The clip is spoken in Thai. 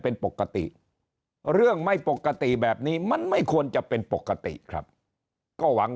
เป็นปกติเรื่องไม่ปกติแบบนี้มันไม่ควรจะเป็นปกติครับก็หวัง